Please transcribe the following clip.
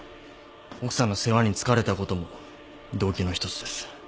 奥さんの世話に疲れたことも動機の一つです。